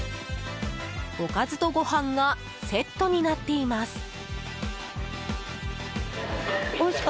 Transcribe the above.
おかずとご飯がセットになっています。